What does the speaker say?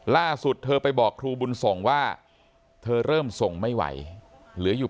ล่าสุดเธอไปบอกครูบุญส่งว่าเธอเริ่มส่งไม่ไหวเหลืออยู่